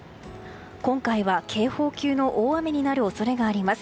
今回は警報級の大雨になる恐れがあります。